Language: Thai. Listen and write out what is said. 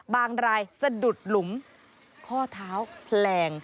รายสะดุดหลุมข้อเท้าแพลง